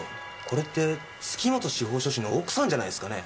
これって月本司法書士の奥さんじゃないすかね？